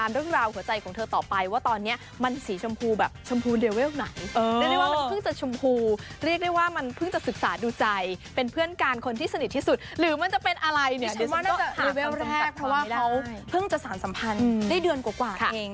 หรือมันจะเป็นอะไรเนี่ยเดี๋ยวฉันก็หาคำสัมภัณฑ์ไว้ได้พี่ฉันว่าน่าจะหาคำสัมภัณฑ์เพราะว่าเขาเพิ่งจะสารสัมพันธ์ได้เดือนกว่ากว่าเอง